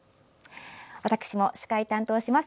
私も司会を担当します。